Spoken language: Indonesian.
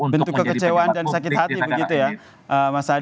bentuk kekecewaan dan sakit hati begitu ya mas adi